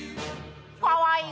かわいい！